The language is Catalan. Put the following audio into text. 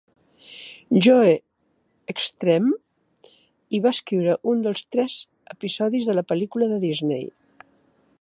Joe Extreme", i va escriure un dels tres episodis de la pel·lícula de Disney.